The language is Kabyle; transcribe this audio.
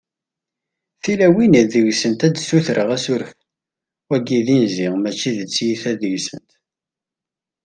tilawin deg-sent ad ssutreɣ asuref, wagi d inzi mačči t-tiyita deg-sent